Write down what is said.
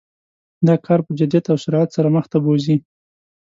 دا کار په جدیت او سرعت سره مخ ته بوزي.